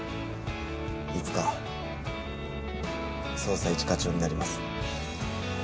いつか捜査一課長になります。